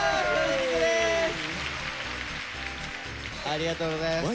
ありがとうございます。